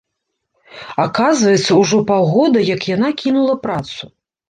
Аказваецца, ужо паўгода, як яна кінула працу!